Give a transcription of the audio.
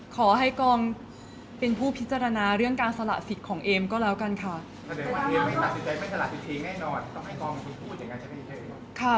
ขอให้กองเป็นผู้พิจารณาเรื่องการสละสิทธิ์ของเอมก็แล้วกันค่ะ